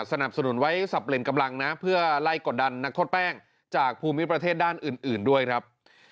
สนับสนุนไว้สับเปลี่ยนกำลังนะเพื่อไล่กดดันนักโทษแป้งจากภูมิประเทศด้านอื่นด้วยครับ